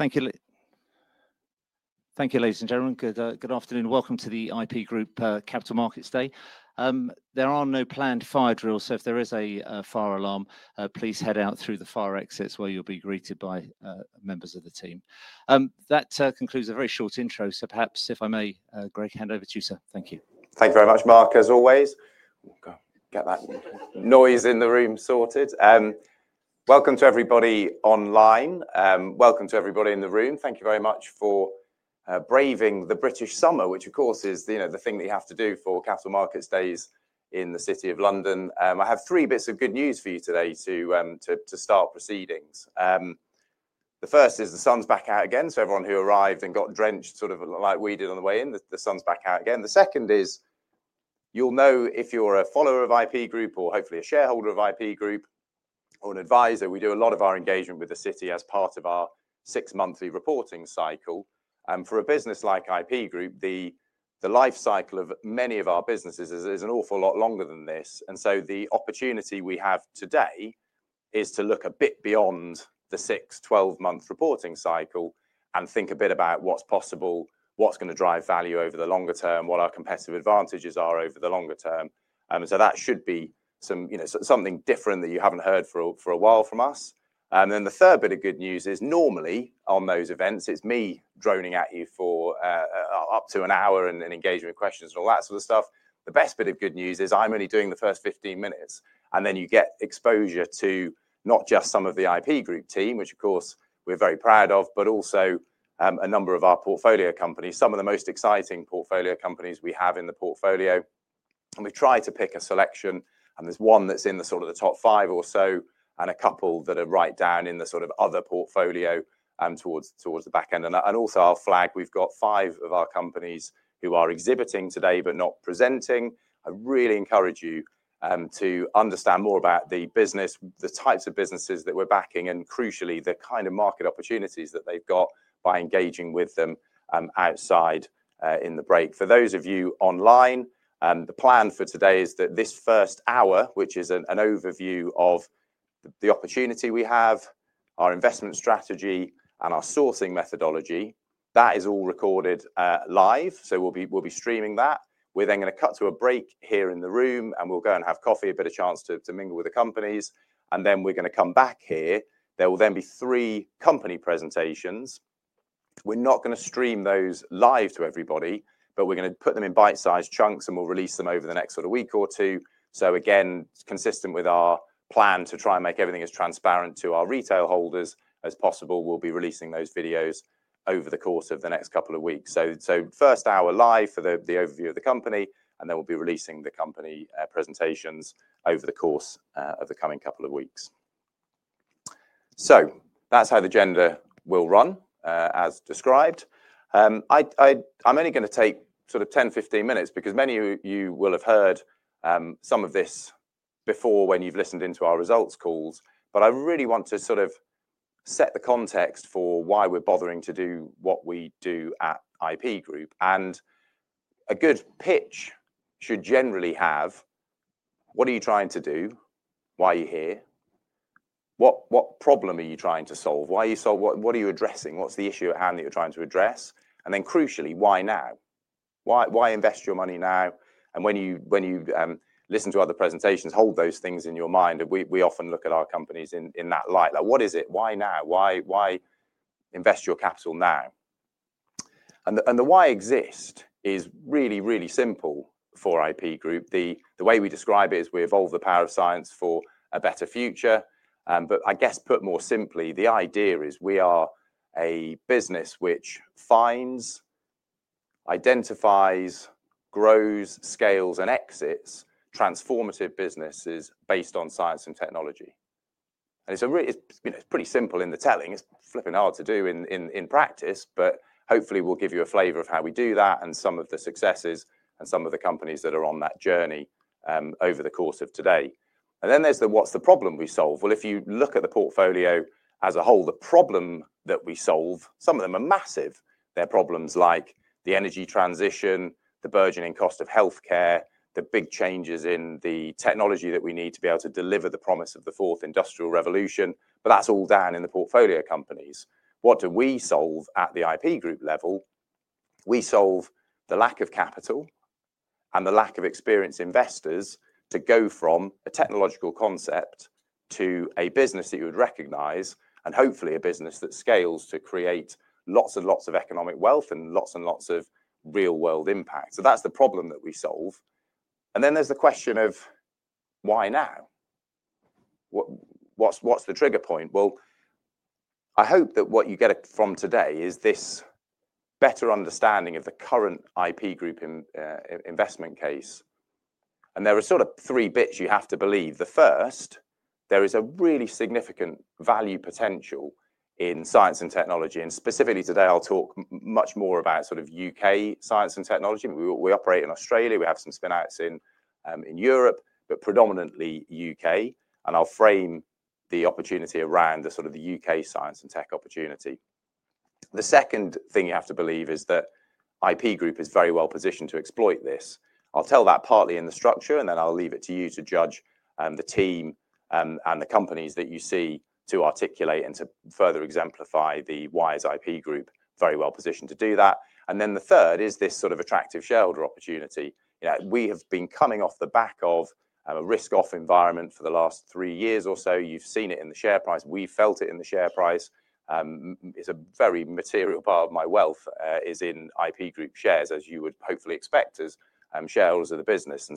Thank you, ladies and gentlemen. Good afternoon. Welcome to the IP Group Capital Markets Day. There are no planned fire drills, so if there is a fire alarm, please head out through the fire exits where you'll be greeted by members of the team. That concludes a very short intro, so perhaps if I may, Greg, hand over to you, sir. Thank you. Thank you very much, Mark, as always. We'll get that noise in the room sorted. Welcome to everybody online. Welcome to everybody in the room. Thank you very much for braving the British summer, which, of course, is the thing that you have to do for Capital Markets Days in the city of London. I have three bits of good news for you today to start proceedings. The first is the sun's back out again, so everyone who arrived and got drenched sort of like we did on the way in, the sun's back out again. The second is, you'll know if you're a follower of IP Group or hopefully a shareholder of IP Group or an advisor. We do a lot of our engagement with the city as part of our six-monthly reporting cycle. For a business like IP Group, the life cycle of many of our businesses is an awful lot longer than this. The opportunity we have today is to look a bit beyond the six, twelve-month reporting cycle and think a bit about what is possible, what is going to drive value over the longer term, what our competitive advantages are over the longer term. That should be something different that you have not heard for a while from us. The third bit of good news is normally on those events, it is me droning at you for up to an hour and engaging with questions and all that sort of stuff. The best bit of good news is I am only doing the first 15 minutes. You get exposure to not just some of the IP Group team, which, of course, we're very proud of, but also a number of our portfolio companies, some of the most exciting portfolio companies we have in the portfolio. We try to pick a selection, and there's one that's in the sort of the top five or so and a couple that are right down in the sort of other portfolio towards the back end. Also, I'll flag we've got five of our companies who are exhibiting today but not presenting. I really encourage you to understand more about the business, the types of businesses that we're backing, and crucially, the kind of market opportunities that they've got by engaging with them outside in the break. For those of you online, the plan for today is that this first hour, which is an overview of the opportunity we have, our investment strategy, and our sourcing methodology, that is all recorded live. We will be streaming that. We are then going to cut to a break here in the room, and we will go and have coffee, a bit of chance to mingle with the companies. We are going to come back here. There will then be three company presentations. We are not going to stream those live to everybody, but we are going to put them in bite-sized chunks, and we will release them over the next sort of week or two. Again, consistent with our plan to try and make everything as transparent to our retail holders as possible, we will be releasing those videos over the course of the next couple of weeks. First hour live for the overview of the company, and then we'll be releasing the company presentations over the course of the coming couple of weeks. That's how the agenda will run, as described. I'm only going to take sort of 10-15 minutes because many of you will have heard some of this before when you've listened into our results calls. I really want to sort of set the context for why we're bothering to do what we do at IP Group. A good pitch should generally have, what are you trying to do? Why are you here? What problem are you trying to solve? What are you addressing? What's the issue at hand that you're trying to address? Then crucially, why now? Why invest your money now? When you listen to other presentations, hold those things in your mind. We often look at our companies in that light. What is it? Why now? Why invest your capital now? The why exists is really, really simple for IP Group. The way we describe it is we evolve the power of science for a better future. I guess put more simply, the idea is we are a business which finds, identifies, grows, scales, and exits transformative businesses based on science and technology. It's pretty simple in the telling. It's flipping hard to do in practice, but hopefully we'll give you a flavor of how we do that and some of the successes and some of the companies that are on that journey over the course of today. There's the what's the problem we solve? If you look at the portfolio as a whole, the problem that we solve, some of them are massive. They're problems like the energy transition, the burgeoning cost of healthcare, the big changes in the technology that we need to be able to deliver the promise of the Fourth Industrial Revolution. That's all down in the portfolio companies. What do we solve at the IP Group level? We solve the lack of capital and the lack of experienced investors to go from a technological concept to a business that you would recognize and hopefully a business that scales to create lots and lots of economic wealth and lots and lots of real-world impact. That's the problem that we solve. There's the question of why now? What's the trigger point? I hope that what you get from today is this better understanding of the current IP Group investment case. There are sort of three bits you have to believe. The first, there is a really significant value potential in science and technology. And specifically today, I'll talk much more about sort of U.K. science and technology. We operate in Australia. We have some spinouts in Europe, but predominantly U.K. I'll frame the opportunity around the sort of U.K. science and tech opportunity. The second thing you have to believe is that IP Group is very well positioned to exploit this. I'll tell that partly in the structure, and then I'll leave it to you to judge the team and the companies that you see to articulate and to further exemplify the why is IP Group very well positioned to do that. And then the third is this sort of attractive shareholder opportunity. We have been coming off the back of a risk-off environment for the last three years or so. You've seen it in the share price. We've felt it in the share price. It's a very material part of my wealth is in IP Group shares, as you would hopefully expect as shareholders of the business.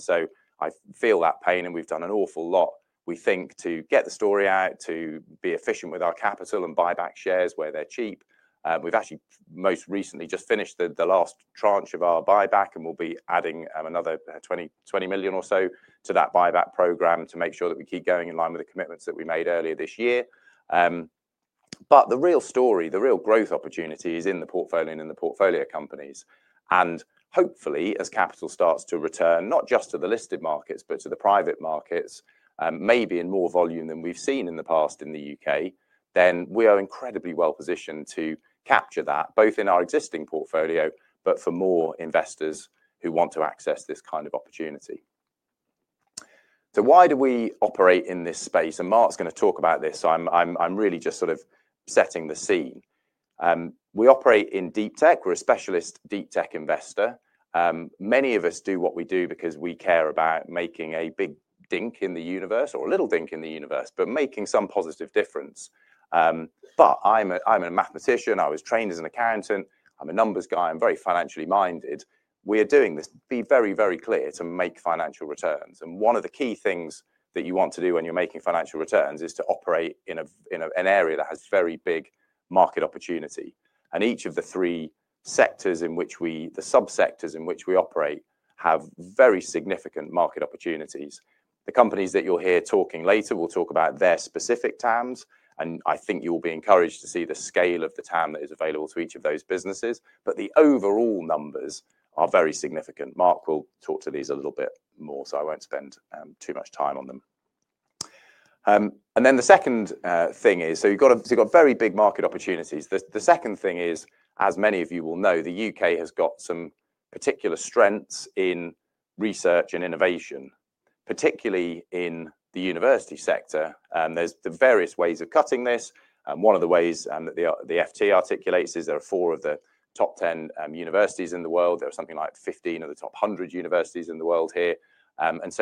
I feel that pain, and we've done an awful lot, we think, to get the story out, to be efficient with our capital and buy back shares where they're cheap. We've actually most recently just finished the last tranche of our buyback, and we'll be adding another 20 million or so to that buyback program to make sure that we keep going in line with the commitments that we made earlier this year. The real story, the real growth opportunity is in the portfolio and in the portfolio companies. Hopefully, as capital starts to return, not just to the listed markets, but to the private markets, maybe in more volume than we've seen in the past in the U.K., we are incredibly well positioned to capture that, both in our existing portfolio, but for more investors who want to access this kind of opportunity. Why do we operate in this space? Mark's going to talk about this, so I'm really just sort of setting the scene. We operate in deep tech. We're a specialist deep tech investor. Many of us do what we do because we care about making a big dink in the universe or a little dink in the universe, but making some positive difference. I'm a mathematician. I was trained as an accountant. I'm a numbers guy. I'm very financially minded. We are doing this to be very, very clear to make financial returns. One of the key things that you want to do when you're making financial returns is to operate in an area that has very big market opportunity. Each of the three sectors in which we, the subsectors in which we operate, have very significant market opportunities. The companies that you'll hear talking later will talk about their specific TAMs. I think you'll be encouraged to see the scale of the TAM that is available to each of those businesses. The overall numbers are very significant. Mark will talk to these a little bit more, so I won't spend too much time on them. The second thing is, you have very big market opportunities. The second thing is, as many of you will know, the U.K. has got some particular strengths in research and innovation, particularly in the university sector. There are various ways of cutting this. One of the ways that the FT articulates is there are four of the top 10 universities in the world. There are something like 15 of the top 100 universities in the world here.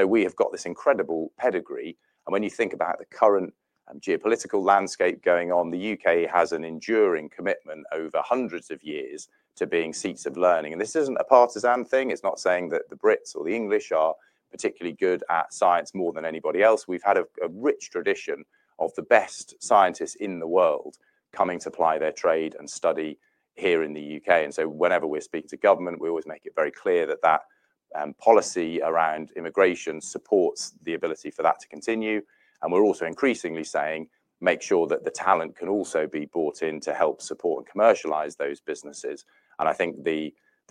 We have got this incredible pedigree. When you think about the current geopolitical landscape going on, the U.K. has an enduring commitment over hundreds of years to being seats of learning. This is not a partisan thing. It is not saying that the Brits or the English are particularly good at science more than anybody else. We have had a rich tradition of the best scientists in the world coming to apply their trade and study here in the U.K. Whenever we're speaking to government, we always make it very clear that that policy around immigration supports the ability for that to continue. We're also increasingly saying, make sure that the talent can also be brought in to help support and commercialize those businesses. I think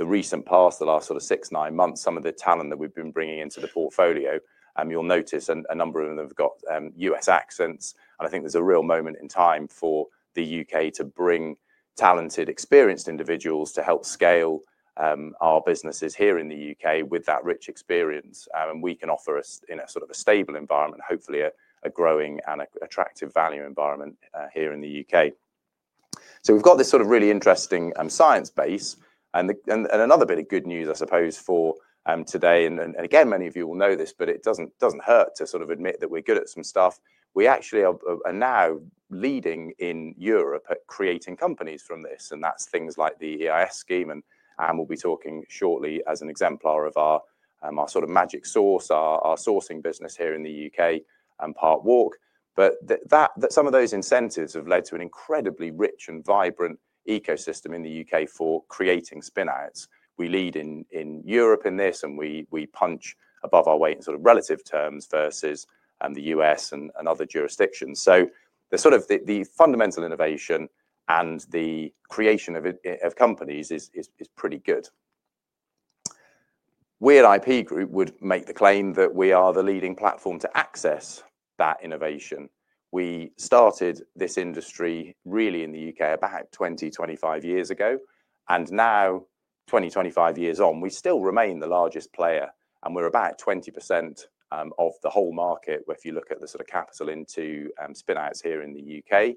the recent past, the last sort of six-nine months, some of the talent that we've been bringing into the portfolio, you'll notice a number of them have got U.S. accents. I think there's a real moment in time for the U.K. to bring talented, experienced individuals to help scale our businesses here in the U.K. with that rich experience. We can offer us in a sort of a stable environment, hopefully a growing and attractive value environment here in the U.K. We've got this sort of really interesting science base. Another bit of good news, I suppose, for today. Again, many of you will know this, but it does not hurt to sort of admit that we are good at some stuff. We actually are now leading in Europe at creating companies from this. That is things like the EIS scheme. We will be talking shortly as an exemplar of our sort of magic source, our sourcing business here in the U.K. and Parkwalk. Some of those incentives have led to an incredibly rich and vibrant ecosystem in the U.K. for creating spinouts. We lead in Europe in this, and we punch above our weight in sort of relative terms versus the U.S. and other jurisdictions. The fundamental innovation and the creation of companies is pretty good. We at IP Group would make the claim that we are the leading platform to access that innovation. We started this industry really in the U.K. about 20-25 years ago. Now, 20-25 years on, we still remain the largest player. We're about 20% of the whole market if you look at the sort of capital into spinouts here in the U.K.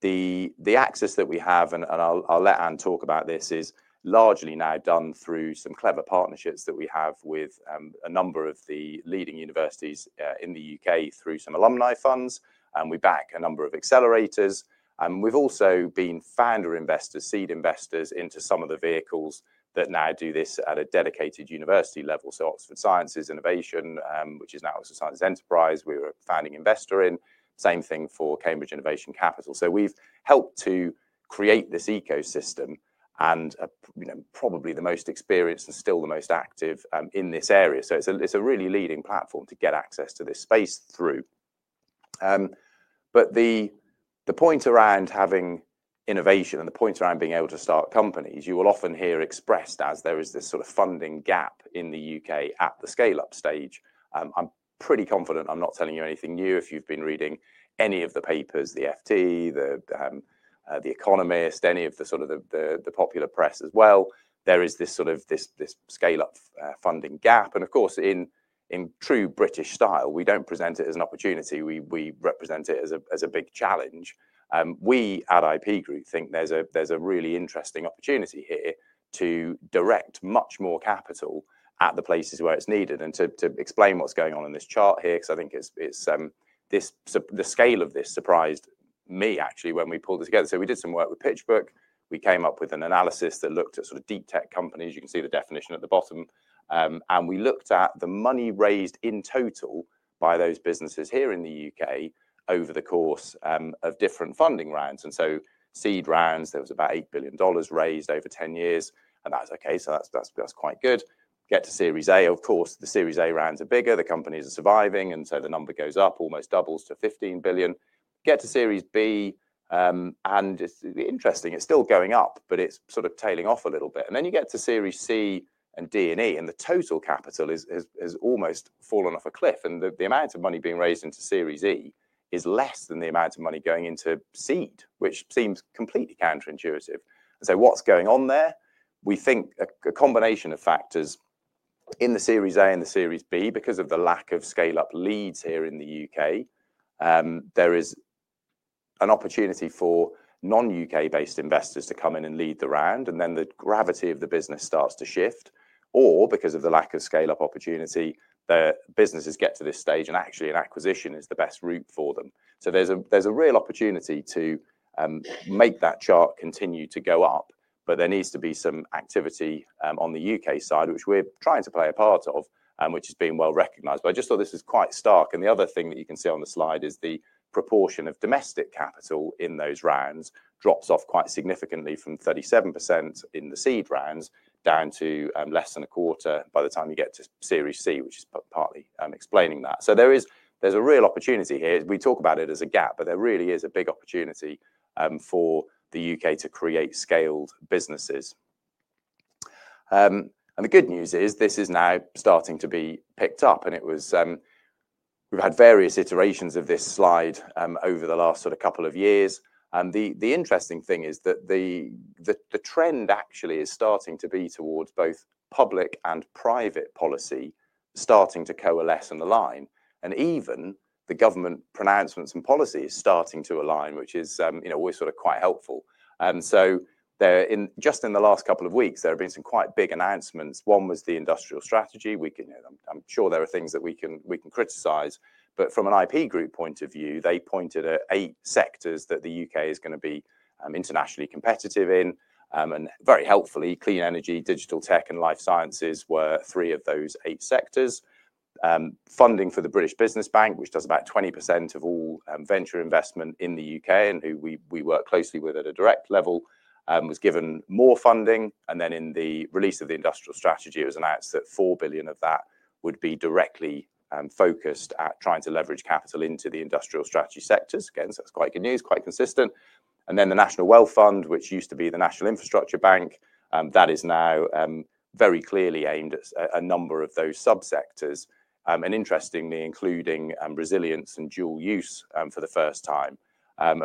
The access that we have, and I'll let Anne talk about this, is largely now done through some clever partnerships that we have with a number of the leading universities in the U.K. through some alumni funds. We back a number of accelerators. We've also been founder investors, seed investors into some of the vehicles that now do this at a dedicated university level. Oxford Sciences Innovation, which is now Oxford Science Enterprises, we were a founding investor in. Same thing for Cambridge Innovation Capital. We've helped to create this ecosystem and probably the most experienced and still the most active in this area. It's a really leading platform to get access to this space through. The point around having innovation and the point around being able to start companies, you will often hear expressed as there is this sort of funding gap in the U.K. at the scale-up stage. I'm pretty confident I'm not telling you anything new if you've been reading any of the papers, the FT, The Economist, any of the sort of the popular press as well. There is this sort of scale-up funding gap. Of course, in true British style, we do not present it as an opportunity. We represent it as a big challenge. We at IP Group think there's a really interesting opportunity here to direct much more capital at the places where it's needed and to explain what's going on in this chart here, because I think the scale of this surprised me actually when we pulled it together. We did some work with PitchBook. We came up with an analysis that looked at sort of deep tech companies. You can see the definition at the bottom. We looked at the money raised in total by those businesses here in the U.K. over the course of different funding rounds. Seed rounds, there was about $8 billion raised over 10 years. That was okay. That's quite good. Get to Series A. Of course, the Series A rounds are bigger. The companies are surviving. The number goes up, almost doubles to $15 billion. Get to Series B. It is interesting. It is still going up, but it is sort of tailing off a little bit. You get to Series C and D and E. The total capital has almost fallen off a cliff. The amount of money being raised into Series E is less than the amount of money going into seed, which seems completely counterintuitive. What is going on there? We think a combination of factors in the Series A and the Series B, because of the lack of scale-up leads here in the U.K., there is an opportunity for non-U.K.-based investors to come in and lead the round. The gravity of the business starts to shift. Because of the lack of scale-up opportunity, the businesses get to this stage, and actually an acquisition is the best route for them. There is a real opportunity to make that chart continue to go up. There needs to be some activity on the U.K. side, which we are trying to play a part of, which has been well recognized. I just thought this was quite stark. The other thing that you can see on the slide is the proportion of domestic capital in those rounds drops off quite significantly from 37% in the seed rounds down to less than a quarter by the time you get to Series C, which is partly explaining that. There is a real opportunity here. We talk about it as a gap, but there really is a big opportunity for the U.K. to create scaled businesses. The good news is this is now starting to be picked up. We have had various iterations of this slide over the last sort of couple of years. The interesting thing is that the trend actually is starting to be towards both public and private policy starting to coalesce and align. Even the government pronouncements and policy is starting to align, which is always sort of quite helpful. Just in the last couple of weeks, there have been some quite big announcements. One was the industrial strategy. I'm sure there are things that we can criticize. From an IP Group point of view, they pointed at eight sectors that the U.K. is going to be internationally competitive in. Very helpfully, clean energy, digital tech, and life sciences were three of those eight sectors. Funding for the British Business Bank, which does about 20% of all venture investment in the U.K. and who we work closely with at a direct level, was given more funding. In the release of the industrial strategy, it was announced that $4 billion of that would be directly focused at trying to leverage capital into the industrial strategy sectors. Again, that's quite good news, quite consistent. The National Wealth Fund, which used to be the National Infrastructure Bank, is now very clearly aimed at a number of those subsectors, and interestingly including resilience and dual use for the first time.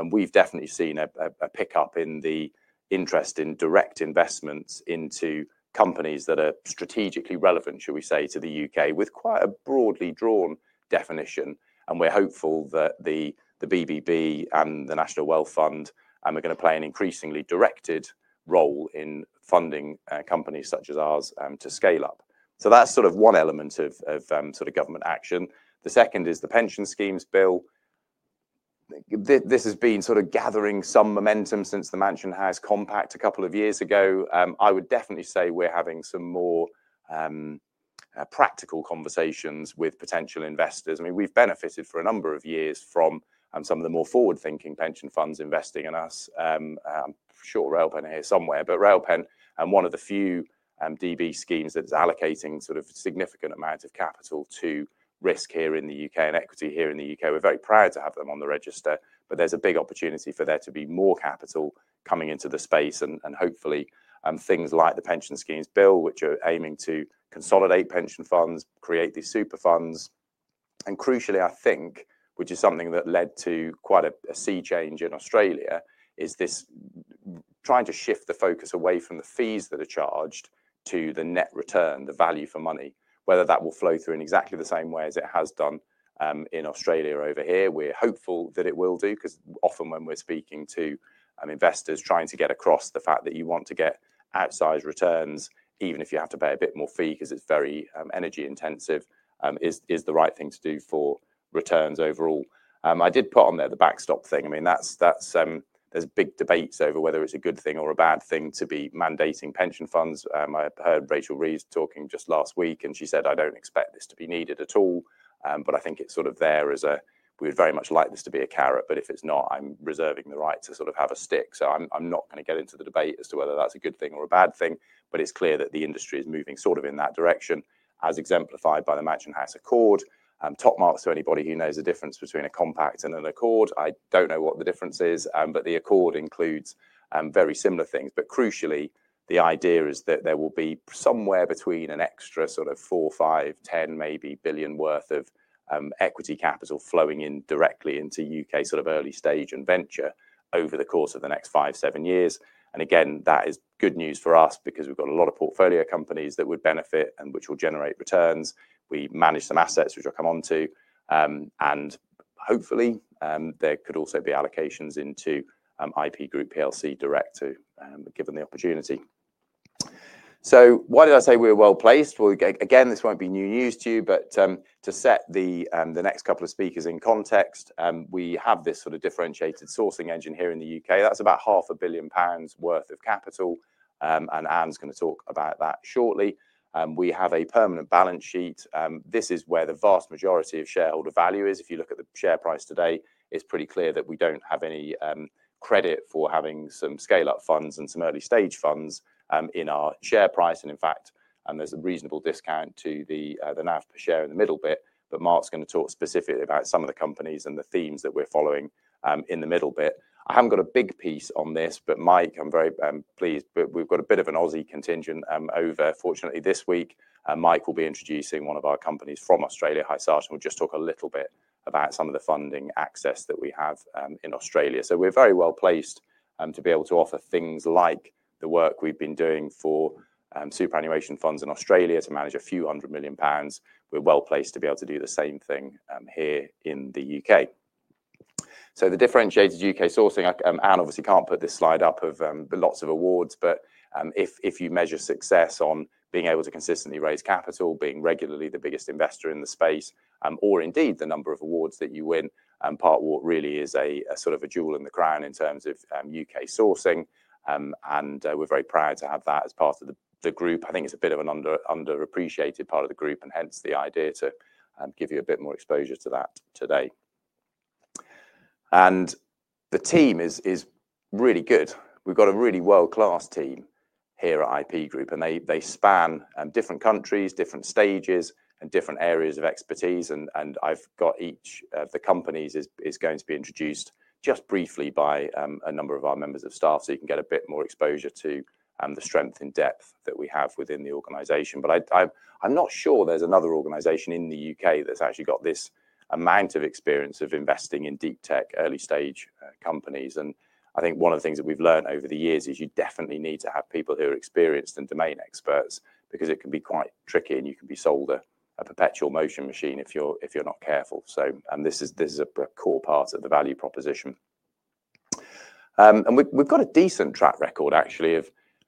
We've definitely seen a pickup in the interest in direct investments into companies that are strategically relevant, shall we say, to the U.K. with quite a broadly drawn definition. We're hopeful that the BBB and the National Wealth Fund are going to play an increasingly directed role in funding companies such as ours to scale up. That's sort of one element of sort of government action. The second is the pension schemes bill. This has been sort of gathering some momentum since the Mansion House Compact a couple of years ago. I would definitely say we're having some more practical conversations with potential investors. I mean, we've benefited for a number of years from some of the more forward-thinking pension funds investing in us. I'm sure Railpen are here somewhere, but Railpen are one of the few DB schemes that's allocating sort of significant amounts of capital to risk here in the U.K. and equity here in the U.K. We're very proud to have them on the register, but there's a big opportunity for there to be more capital coming into the space. Hopefully, things like the pension schemes bill, which are aiming to consolidate pension funds, create these super funds. Crucially, I think, which is something that led to quite a sea change in Australia, is this trying to shift the focus away from the fees that are charged to the net return, the value for money, whether that will flow through in exactly the same way as it has done in Australia over here. We're hopeful that it will do because often when we're speaking to investors trying to get across the fact that you want to get outsized returns, even if you have to pay a bit more fee because it's very energy intensive, is the right thing to do for returns overall. I did put on there the backstop thing. I mean, there's big debates over whether it's a good thing or a bad thing to be mandating pension funds. I heard Rachel Reeves talking just last week, and she said, "I don't expect this to be needed at all." I think it's sort of there as a, "We would very much like this to be a carrot, but if it's not, I'm reserving the right to sort of have a stick." I'm not going to get into the debate as to whether that's a good thing or a bad thing. It's clear that the industry is moving sort of in that direction, as exemplified by the Mansion House Accord. Top marks for anybody who knows the difference between a compact and an accord. I don't know what the difference is, but the accord includes very similar things. Crucially, the idea is that there will be somewhere between an extra sort of 4 billion, GBP 5 billion, GBP 10 billion, maybe, worth of equity capital flowing in directly into U.K. sort of early stage and venture over the course of the next five, seven years. That is good news for us because we've got a lot of portfolio companies that would benefit and which will generate returns. We manage some assets, which I'll come on to. Hopefully, there could also be allocations into IP Group direct too, given the opportunity. Why did I say we're well placed? This won't be new news to you, but to set the next couple of speakers in context, we have this sort of differentiated sourcing engine here in the U.K. That's about 500 million pounds worth of capital. Anne's going to talk about that shortly. We have a permanent balance sheet. This is where the vast majority of shareholder value is. If you look at the share price today, it's pretty clear that we don't have any credit for having some scale-up funds and some early stage funds in our share price. In fact, there's a reasonable discount to the NAV per share in the middle bit. Mark's going to talk specifically about some of the companies and the themes that we're following in the middle bit. I haven't got a big piece on this, but Mike, I'm very pleased. We've got a bit of an Aussie contingent over. Fortunately, this week, Mike will be introducing one of our companies from Australia, Hysata. We'll just talk a little bit about some of the funding access that we have in Australia. We're very well placed to be able to offer things like the work we've been doing for superannuation funds in Australia to manage a few hundred million GBP. We're well placed to be able to do the same thing here in the U.K. The differentiated U.K. sourcing, Anne obviously can't put this slide up of lots of awards, but if you measure success on being able to consistently raise capital, being regularly the biggest investor in the space, or indeed the number of awards that you win, Parkwalk really is a sort of a jewel in the crown in terms of U.K. sourcing. We're very proud to have that as part of the group. I think it's a bit of an underappreciated part of the group, and hence the idea to give you a bit more exposure to that today. The team is really good. We've got a really world-class team here at IP Group, and they span different countries, different stages, and different areas of expertise. I've got each of the companies is going to be introduced just briefly by a number of our members of staff so you can get a bit more exposure to the strength and depth that we have within the organization. I'm not sure there's another organization in the U.K. that's actually got this amount of experience of investing in deep tech, early stage companies. I think one of the things that we've learned over the years is you definitely need to have people who are experienced and domain experts because it can be quite tricky, and you can be sold a perpetual motion machine if you're not careful. This is a core part of the value proposition. We have got a decent track record, actually,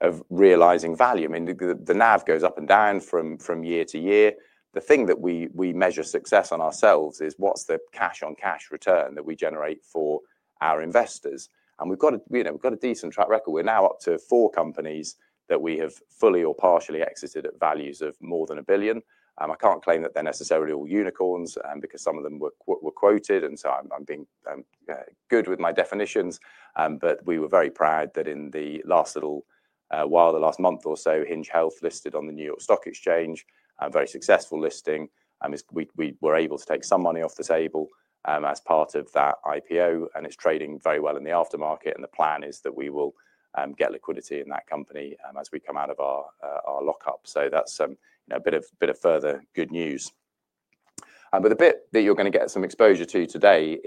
of realizing value. I mean, the NAV goes up and down from year to year. The thing that we measure success on ourselves is what is the cash-on-cash return that we generate for our investors. We have got a decent track record. We are now up to four companies that we have fully or partially exited at values of more than $1 billion. I cannot claim that they are necessarily all unicorns because some of them were quoted. I am being good with my definitions. We were very proud that in the last little while, the last month or so, Hinge Health listed on the New York Stock Exchange, a very successful listing. We were able to take some money off the table as part of that IPO, and it is trading very well in the aftermarket. The plan is that we will get liquidity in that company as we come out of our lockup. That is a bit of further good news. The bit that you are going to get some exposure to today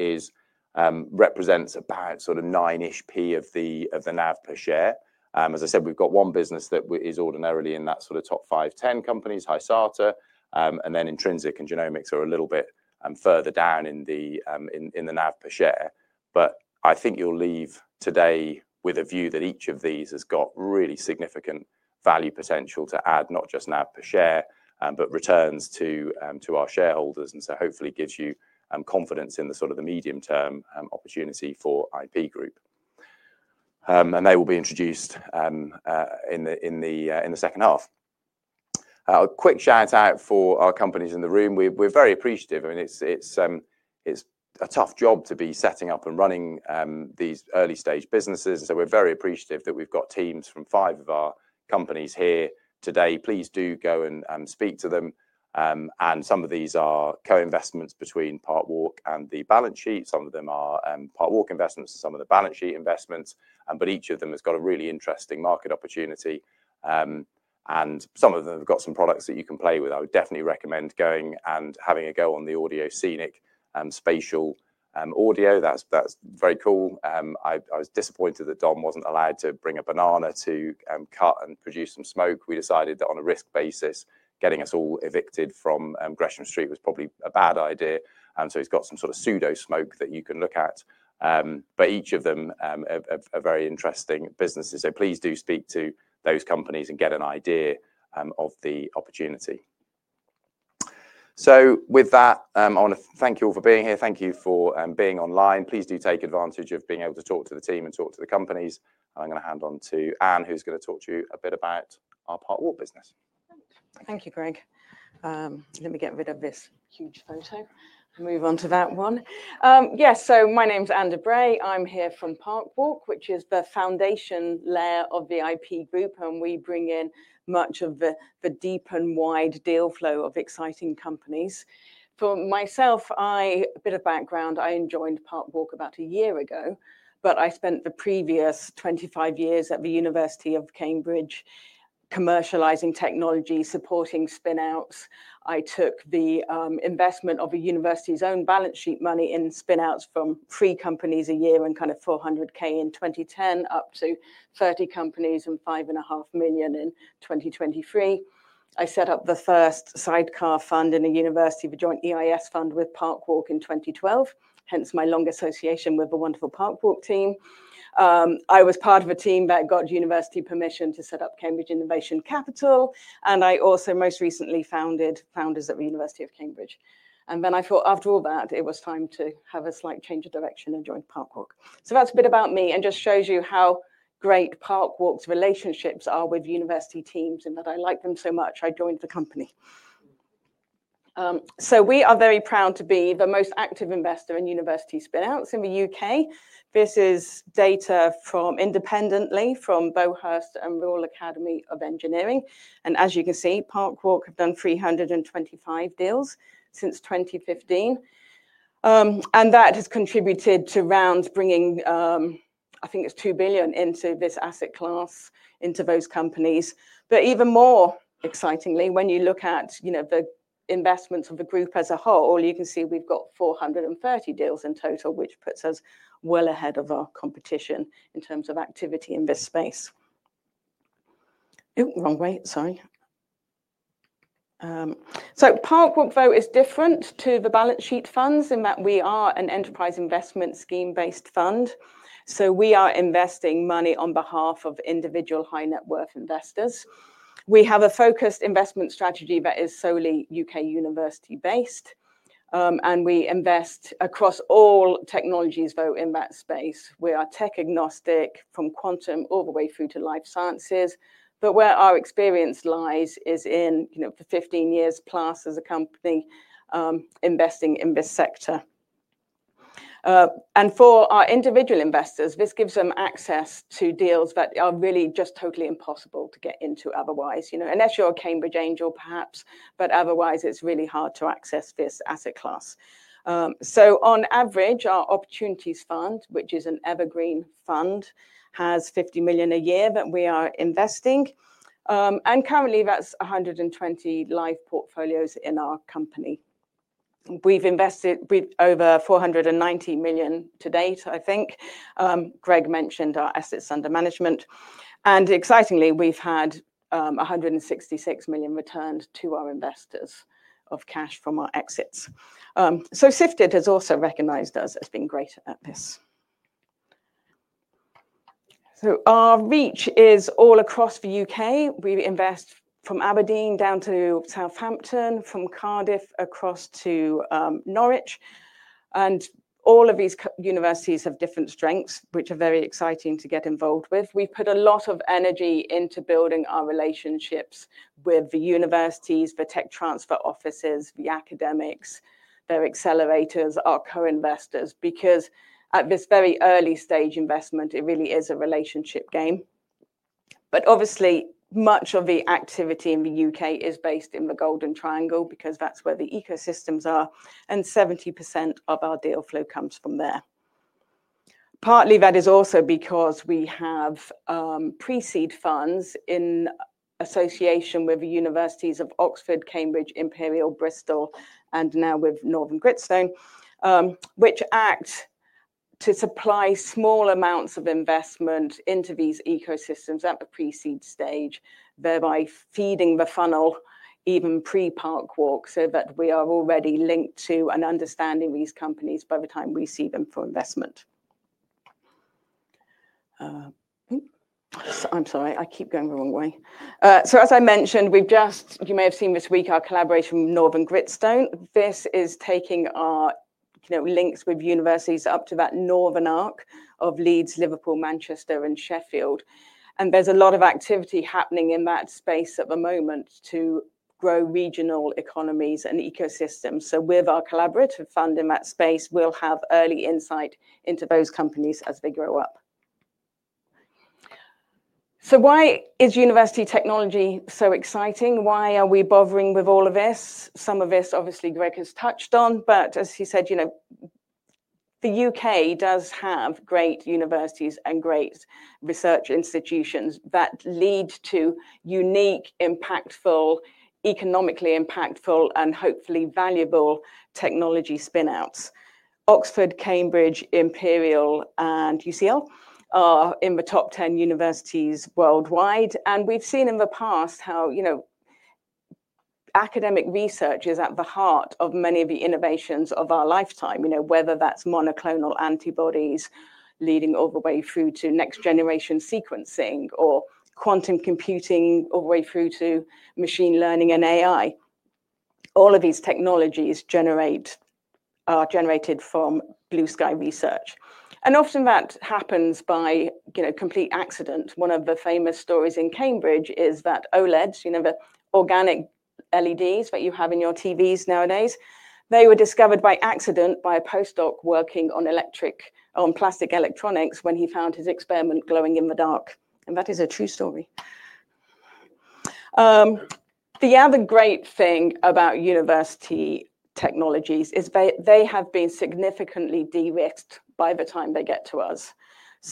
represents about sort of nine-ish P of the NAV per share. As I said, we have got one business that is ordinarily in that sort of top 5-10 companies, Hysata, and then Intrinsic and Genomics are a little bit further down in the NAV per share. I think you will leave today with a view that each of these has got really significant value potential to add, not just NAV per share, but returns to our shareholders. Hopefully, this gives you confidence in the sort of the medium-term opportunity for IP Group. They will be introduced in the second half. A quick shout-out for our companies in the room. We're very appreciative. I mean, it's a tough job to be setting up and running these early stage businesses. We are very appreciative that we've got teams from five of our companies here today. Please do go and speak to them. Some of these are co-investments between Parkwalk and the balance sheet. Some of them are Parkwalk investments, some are balance sheet investments. Each of them has got a really interesting market opportunity. Some of them have got some products that you can play with. I would definitely recommend going and having a go on the Audioscenic spatial audio. That's very cool. I was disappointed that Dom wasn't allowed to bring a banana to cut and produce some smoke. We decided that on a risk basis, getting us all evicted from Gresham Street was probably a bad idea. He has some sort of pseudo smoke that you can look at. Each of them are very interesting businesses. Please do speak to those companies and get an idea of the opportunity. With that, I want to thank you all for being here. Thank you for being online. Please do take advantage of being able to talk to the team and talk to the companies. I am going to hand on to Anne, who is going to talk to you a bit about our Parkwalk business. Thank you, Greg. Let me get rid of this huge photo and move on to that one. Yes, my name is Anne Dobrée. I am here from Parkwalk, which is the foundation layer of the IP Group. We bring in much of the deep and wide deal flow of exciting companies. For myself, a bit of background, I joined Parkwalk about a year ago, but I spent the previous 25 years at the University of Cambridge commercializing technology, supporting spinouts. I took the investment of a university's own balance sheet money in spinouts from three companies a year and kind of 400,000 in 2010 up to 30 companies and 5.5 million in 2023. I set up the first sidecar fund in a university of a joint EIS fund with Parkwalk in 2012, hence my long association with the wonderful Parkwalk team. I was part of a team that got university permission to set up Cambridge Innovation Capital. I also most recently founded Founders at the University of Cambridge. Then I thought, after all that, it was time to have a slight change of direction and join Parkwalk. That's a bit about me and just shows you how great Parkwalk's relationships are with university teams and that I like them so much. I joined the company. We are very proud to be the most active investor in university spinouts in the U.K. This is data independently from Beauhurst and Royal Academy of Engineering. As you can see, Parkwalk have done 325 deals since 2015. That has contributed to rounds bringing, I think it's 2 billion into this asset class, into those companies. Even more excitingly, when you look at the investments of the group as a whole, you can see we've got 430 deals in total, which puts us well ahead of our competition in terms of activity in this space. Wrong way, sorry. Parkwalk Vote is different to the balance sheet funds in that we are an Enterprise Investment Scheme-based fund. We are investing money on behalf of individual high-net-worth investors. We have a focused investment strategy that is solely U.K. university-based. We invest across all technologies vote in that space. We are tech agnostic from quantum all the way through to life sciences. Where our experience lies is in for 15 years plus as a company investing in this sector. For our individual investors, this gives them access to deals that are really just totally impossible to get into otherwise. Unless you're a Cambridge Angel, perhaps, but otherwise, it's really hard to access this asset class. On average, our opportunities fund, which is an evergreen fund, has 50 million a year that we are investing. Currently, that's 120 live portfolios in our company. We've invested over 490 million to date, I think. Greg mentioned our assets under management. Excitingly, we've had 166 million returned to our investors of cash from our exits. Sifted has also recognized us as being great at this. Our reach is all across the U.K. We invest from Aberdeen down to Southampton, from Cardiff across to Norwich. All of these universities have different strengths, which are very exciting to get involved with. We've put a lot of energy into building our relationships with the universities, the tech transfer offices, the academics, their accelerators, our co-investors, because at this very early stage investment, it really is a relationship game. Obviously, much of the activity in the U.K. is based in the Golden Triangle because that's where the ecosystems are. 70% of our deal flow comes from there. Partly, that is also because we have pre-seed funds in association with the universities of Oxford, Cambridge, Imperial, Bristol, and now with Northern Gritstone, which act to supply small amounts of investment into these ecosystems at the pre-seed stage, thereby feeding the funnel even pre-Parkwalk so that we are already linked to and understanding these companies by the time we see them for investment. I'm sorry, I keep going the wrong way. As I mentioned, you may have seen this week our collaboration with Northern Gritstone. This is taking our links with universities up to that northern arc of Leeds, Liverpool, Manchester, and Sheffield. There is a lot of activity happening in that space at the moment to grow regional economies and ecosystems. With our collaborative fund in that space, we'll have early insight into those companies as they grow up. Why is university technology so exciting? Why are we bothering with all of this? Some of this, obviously, Greg has touched on, but as he said, the U.K. does have great universities and great research institutions that lead to unique, impactful, economically impactful, and hopefully valuable technology spinouts. Oxford, Cambridge, Imperial, and UCL are in the top 10 universities worldwide. We've seen in the past how academic research is at the heart of many of the innovations of our lifetime, whether that's monoclonal antibodies leading all the way through to next-generation sequencing or quantum computing all the way through to machine learning and AI. All of these technologies are generated from blue-sky research. Often that happens by complete accident. One of the famous stories in Cambridge is that OLEDs, the organic LEDs that you have in your TVs nowadays, they were discovered by accident by a postdoc working on plastic electronics when he found his experiment glowing in the dark. That is a true story. The other great thing about university technologies is they have been significantly de-risked by the time they get to us.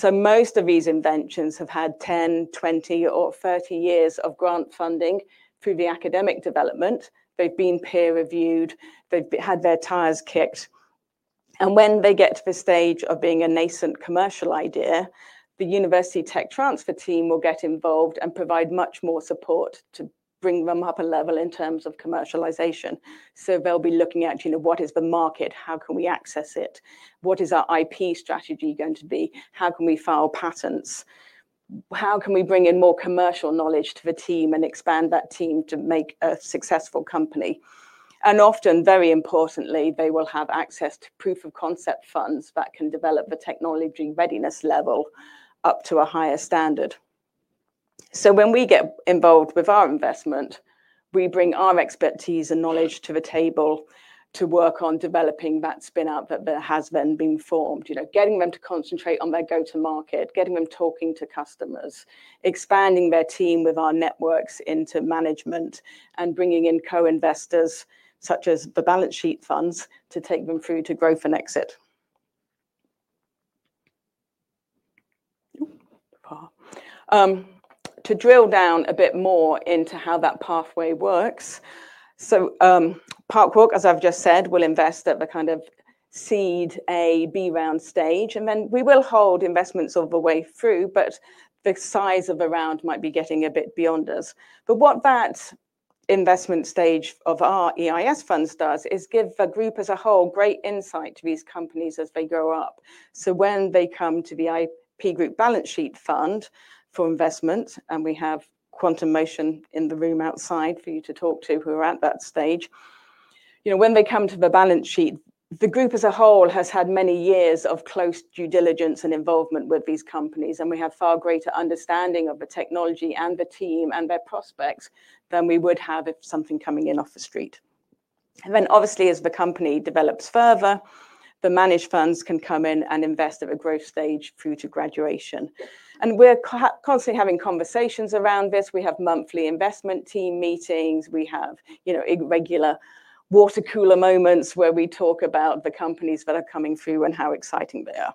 Most of these inventions have had 10, 20, or 30 years of grant funding through the academic development. They've been peer-reviewed. They've had their tires kicked. When they get to the stage of being a nascent commercial idea, the university tech transfer team will get involved and provide much more support to bring them up a level in terms of commercialization. They'll be looking at what is the market, how can we access it, what is our IP strategy going to be, how can we file patents, how can we bring in more commercial knowledge to the team and expand that team to make a successful company. Often, very importantly, they will have access to proof of concept funds that can develop the technology readiness level up to a higher standard. When we get involved with our investment, we bring our expertise and knowledge to the table to work on developing that spinout that has then been formed, getting them to concentrate on their go-to-market, getting them talking to customers, expanding their team with our networks into management, and bringing in co-investors such as the balance sheet funds to take them through to growth and exit. To drill down a bit more into how that pathway works, Parkwalk, as I've just said, will invest at the kind of seed A, B round stage. We will hold investments all the way through, but the size of the round might be getting a bit beyond us. What that investment stage of our EIS funds does is give the group as a whole great insight to these companies as they grow up. When they come to the IP Group balance sheet fund for investment, and we have Quantum Motion in the room outside for you to talk to who are at that stage, when they come to the balance sheet, the group as a whole has had many years of close due diligence and involvement with these companies. We have far greater understanding of the technology and the team and their prospects than we would have if something coming in off the street. Obviously, as the company develops further, the managed funds can come in and invest at a growth stage through to graduation. We are constantly having conversations around this. We have monthly investment team meetings. We have regular water cooler moments where we talk about the companies that are coming through and how exciting they are.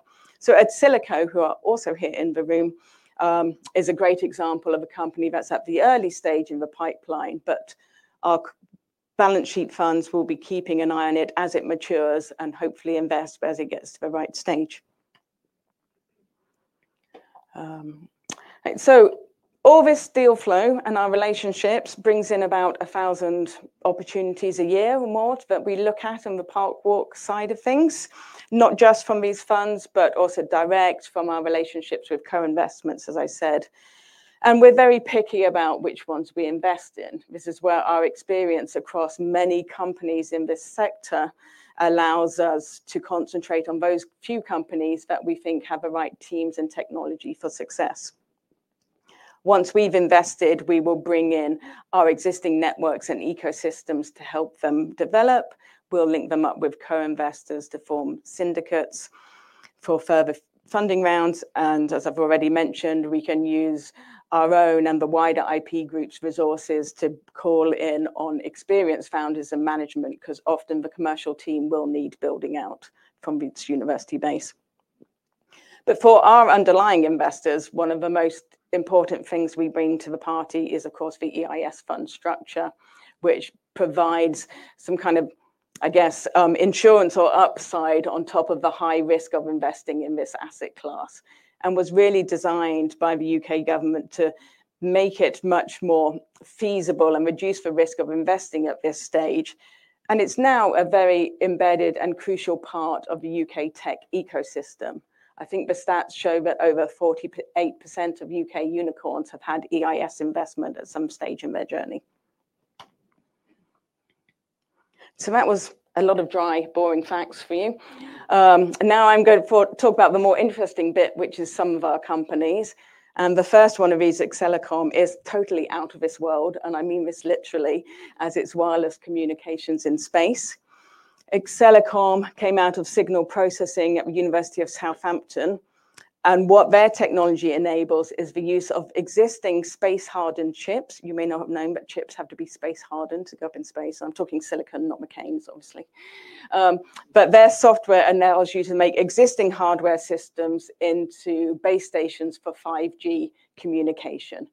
At AdSilico, who are also here in the room, is a great example of a company that's at the early stage in the pipeline, but our balance sheet funds will be keeping an eye on it as it matures and hopefully invest as it gets to the right stage. All this deal flow and our relationships brings in about 1,000 opportunities a year or more that we look at on the Parkwalk side of things, not just from these funds, but also direct from our relationships with co-investments, as I said. We're very picky about which ones we invest in. This is where our experience across many companies in this sector allows us to concentrate on those few companies that we think have the right teams and technology for success. Once we've invested, we will bring in our existing networks and ecosystems to help them develop. We'll link them up with co-investors to form syndicates for further funding rounds. As I've already mentioned, we can use our own and the wider IP Group's resources to call in on experienced founders and management because often the commercial team will need building out from its university base. For our underlying investors, one of the most important things we bring to the party is, of course, the EIS fund structure, which provides some kind of, I guess, insurance or upside on top of the high risk of investing in this asset class and was really designed by the U.K. government to make it much more feasible and reduce the risk of investing at this stage. It is now a very embedded and crucial part of the U.K. tech ecosystem. I think the stats show that over 48% of U.K. unicorns have had EIS investment at some stage in their journey. That was a lot of dry, boring facts for you. Now I am going to talk about the more interesting bit, which is some of our companies. The first one of these is Accelercomm, which is totally out of this world. I mean this literally as it's wireless communications in space. Accelercomm came out of signal processing at the University of Southampton. What their technology enables is the use of existing space-hardened chips. You may not have known, but chips have to be space-hardened to go up in space. I'm talking silicon, not McCains, obviously. Their software allows you to make existing hardware systems into base stations for 5G communication.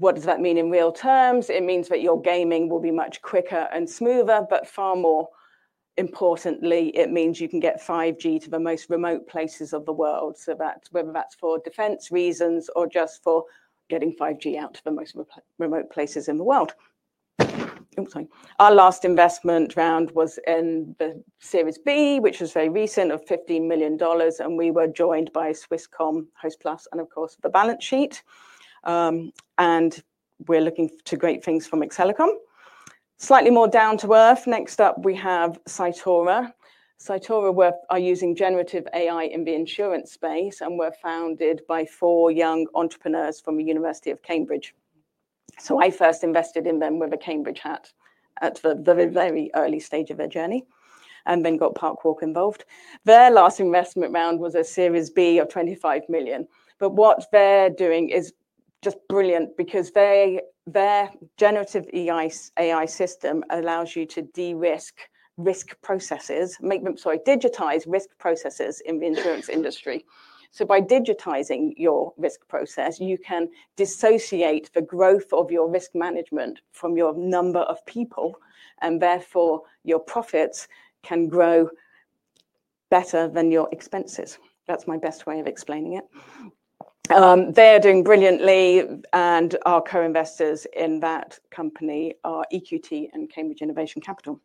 What does that mean in real terms? It means that your gaming will be much quicker and smoother. Far more importantly, it means you can get 5G to the most remote places of the world. Whether that's for defense reasons or just for getting 5G out to the most remote places in the world. Oh, sorry. Our last investment round was in the Series B, which was very recent, of $15 million. We were joined by Swisscom, Hostplus, and of course, the balance sheet. We are looking to great things from Accelercomm. Slightly more down to earth, next up, we have Cytora. Cytora are using generative AI in the insurance space and were founded by four young entrepreneurs from the University of Cambridge. I first invested in them with a Cambridge hat at the very early stage of their journey and then got Parkwalk involved. Their last investment round was a Series B of $25 million. What they are doing is just brilliant because their generative AI system allows you to de-risk risk processes, digitize risk processes in the insurance industry. By digitizing your risk process, you can dissociate the growth of your risk management from your number of people, and therefore, your profits can grow better than your expenses. That is my best way of explaining it. They're doing brilliantly, and our co-investors in that company are EQT and Cambridge Innovation Capital.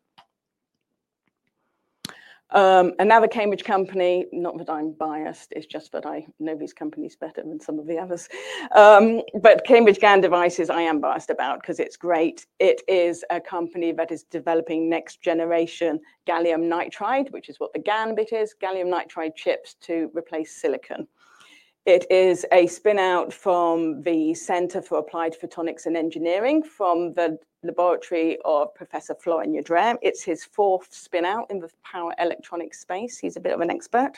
Another Cambridge company, not that I'm biased, it's just that I know these companies better than some of the others. Cambridge GaN Devices, I am biased about because it's great. It is a company that is developing next-generation gallium nitride, which is what the GaN bit is, gallium nitride chips to replace silicon. It is a spinout from the Centre for Applied Photonics and Engineering from the laboratory of Professor Florin Udrea. It's his fourth spinout in the power electronics space. He's a bit of an expert.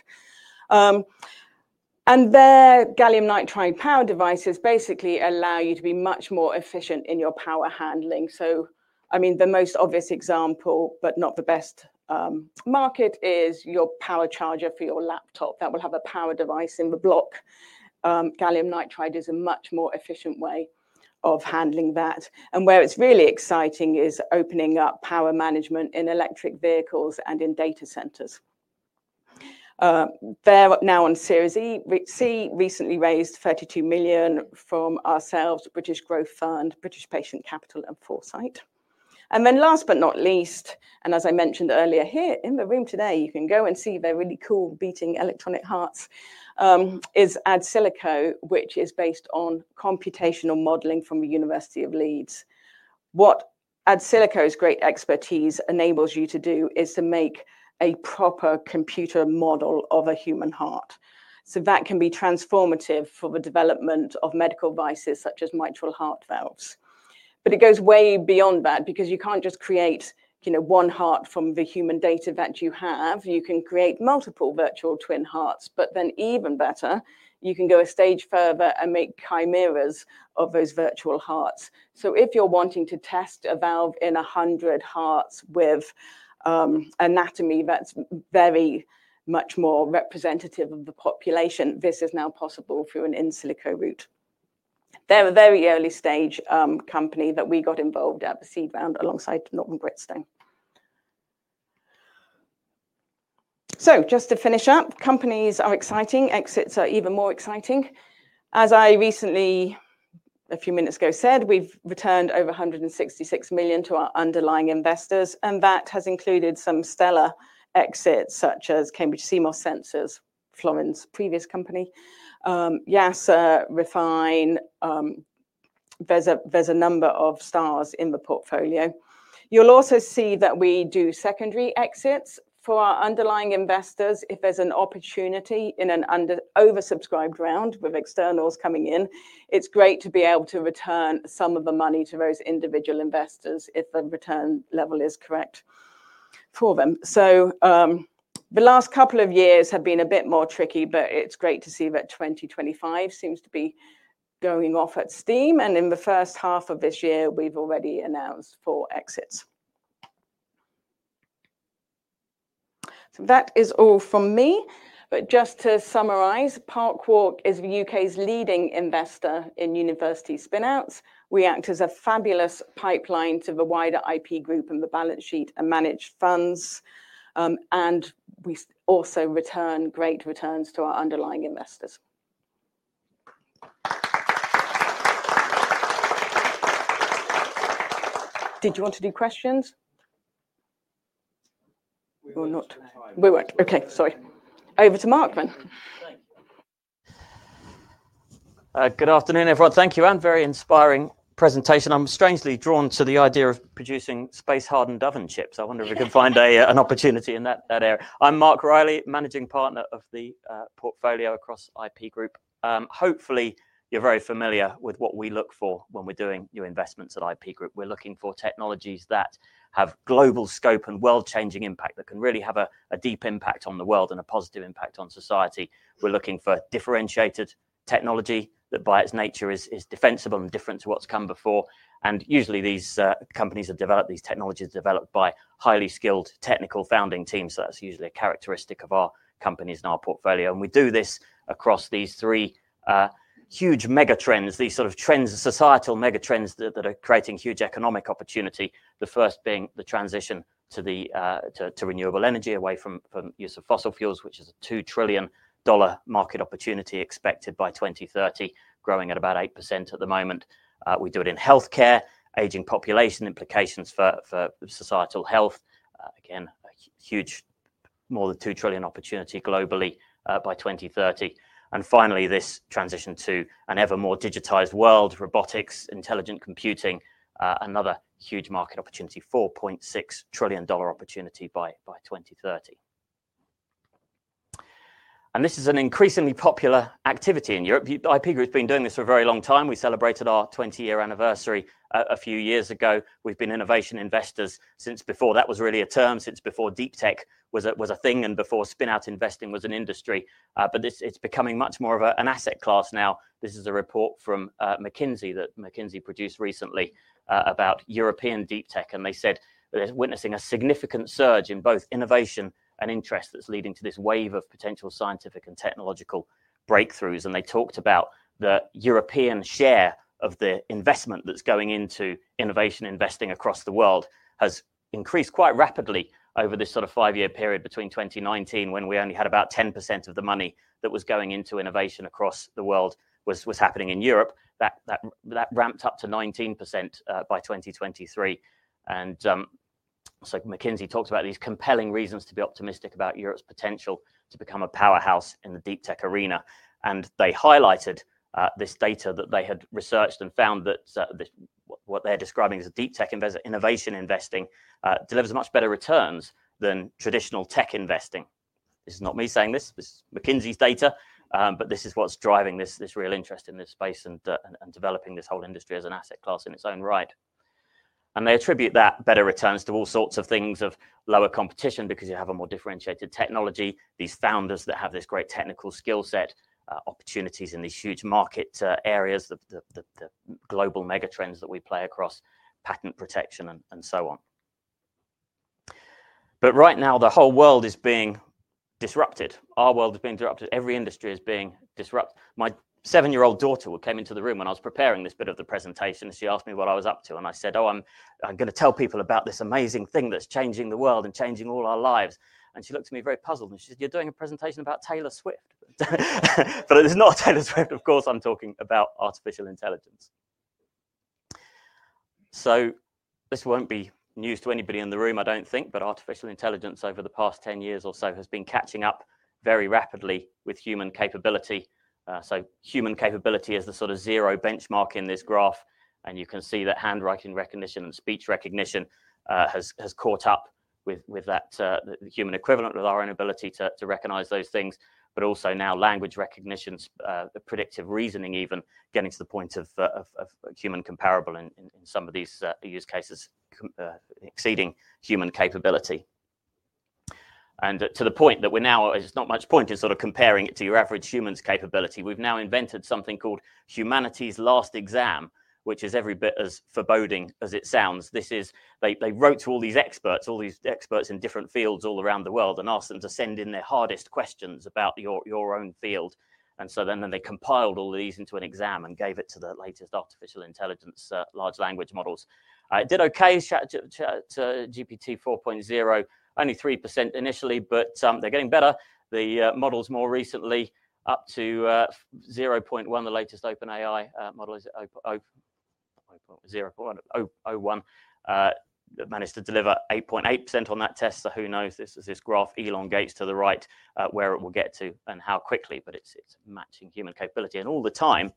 Their gallium nitride power devices basically allow you to be much more efficient in your power handling. I mean, the most obvious example, but not the best market, is your power charger for your laptop that will have a power device in the block. Gallium nitride is a much more efficient way of handling that. Where it's really exciting is opening up power management in electric vehicles and in data centers. They're now on Series C. We recently raised 32 million from ourselves, British Growth Fund, British Patient Capital, and Foresight. Last but not least, as I mentioned earlier here in the room today, you can go and see their really cool beating electronic hearts, is AdSilico, which is based on computational modeling from the University of Leeds. What AdSilico's great expertise enables you to do is to make a proper computer model of a human heart. That can be transformative for the development of medical devices such as mitral heart valves. It goes way beyond that because you can't just create one heart from the human data that you have. You can create multiple virtual twin hearts. Then even better, you can go a stage further and make chimeras of those virtual hearts. If you're wanting to test a valve in 100 hearts with anatomy that's very much more representative of the population, this is now possible through an in-silico route. They're a very early stage company that we got involved at the seed round alongside Northern Gritstone. Just to finish up, companies are exciting. Exits are even more exciting. As I recently, a few minutes ago, said, we've returned over $166 million to our underlying investors. That has included some stellar exits such as Cambridge CMOS Sensors, Florin's previous company, YASA, Refine. There's a number of stars in the portfolio. You'll also see that we do secondary exits for our underlying investors. If there's an opportunity in an oversubscribed round with externals coming in, it's great to be able to return some of the money to those individual investors if the return level is correct for them. The last couple of years have been a bit more tricky, but it's great to see that 2025 seems to be going off at steam. In the first half of this year, we've already announced four exits. That is all from me. Just to summarize, Parkwalk is the U.K.'s leading investor in university spinouts. We act as a fabulous pipeline to the wider IP Group and the balance sheet and managed funds. We also return great returns to our underlying investors. Did you want to do questions? We weren't. Okay, sorry. Over to Mark then. Good afternoon, everyone. Thank you. Very inspiring presentation. I'm strangely drawn to the idea of producing space-hardened oven chips. I wonder if we can find an opportunity in that area. I'm Mark Reilly, Managing Partner of the portfolio across IP Group. Hopefully, you're very familiar with what we look for when we're doing new investments at IP Group. We're looking for technologies that have global scope and world-changing impact that can really have a deep impact on the world and a positive impact on society. We're looking for differentiated technology that by its nature is defensible and different to what's come before. Usually, these companies have developed these technologies developed by highly skilled technical founding teams. That's usually a characteristic of our companies and our portfolio. We do this across these three huge mega trends, these sort of trends, societal mega trends that are creating huge economic opportunity. The first being the transition to renewable energy away from use of fossil fuels, which is a $2 trillion market opportunity expected by 2030, growing at about 8% at the moment. We do it in healthcare, aging population implications for societal health. Again, a huge more than $2 trillion opportunity globally by 2030. Finally, this transition to an ever more digitized world, robotics, intelligent computing, another huge market opportunity, $4.6 trillion opportunity by 2030. This is an increasingly popular activity in Europe. The IP Group has been doing this for a very long time. We celebrated our 20-year anniversary a few years ago. We've been innovation investors since before. That was really a term since before deep tech was a thing and before spinout investing was an industry. It is becoming much more of an asset class now. This is a report from McKinsey that McKinsey produced recently about European deep tech. They said they are witnessing a significant surge in both innovation and interest that is leading to this wave of potential scientific and technological breakthroughs. They talked about the European share of the investment that is going into innovation investing across the world has increased quite rapidly over this sort of five-year period between 2019, when we only had about 10% of the money that was going into innovation across the world was happening in Europe. That ramped up to 19% by 2023. McKinsey talked about these compelling reasons to be optimistic about Europe's potential to become a powerhouse in the deep tech arena. They highlighted this data that they had researched and found that what they're describing as a deep tech innovation investing delivers much better returns than traditional tech investing. This is not me saying this. This is McKinsey's data. This is what's driving this real interest in this space and developing this whole industry as an asset class in its own right. They attribute that better returns to all sorts of things of lower competition because you have a more differentiated technology, these founders that have this great technical skill set, opportunities in these huge market areas, the global mega trends that we play across, patent protection, and so on. Right now, the whole world is being disrupted. Our world is being disrupted. Every industry is being disrupted. My seven-year-old daughter came into the room when I was preparing this bit of the presentation. She asked me what I was up to. I said, "Oh, I'm going to tell people about this amazing thing that's changing the world and changing all our lives." She looked at me very puzzled. She said, "You're doing a presentation about Taylor Swift." It is not Taylor Swift, of course. I'm talking about artificial intelligence. This won't be news to anybody in the room, I don't think. Artificial intelligence over the past 10 years or so has been catching up very rapidly with human capability. Human capability is the sort of zero benchmark in this graph. You can see that handwriting recognition and speech recognition has caught up with that human equivalent with our inability to recognize those things. Also now language recognition, predictive reasoning, even getting to the point of human comparable in some of these use cases, exceeding human capability. To the point that we're now, it's not much point in sort of comparing it to your average human's capability. We've now invented something called humanity's last exam, which is every bit as foreboding as it sounds. They wrote to all these experts, all these experts in different fields all around the world, and asked them to send in their hardest questions about your own field. They compiled all of these into an exam and gave it to the latest artificial intelligence large language models. It did okay to GPT-4, only 3% initially, but they're getting better. The models more recently up to o1, the latest OpenAI model is o1, managed to deliver 8.8% on that test. Who knows? This graph elongates to the right where it will get to and how quickly. It is matching human capability. All the time,